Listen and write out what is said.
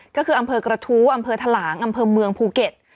ก็คืออำเภอกระทู้อำเภอทะหลางอำเภอเมืองภูเก็ต